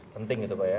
penting gitu pak ya